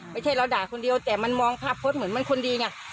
ไม่ใช่เราด่าคนเดียวแต่มันมองภาพพจน์เหมือนมันคนดีไง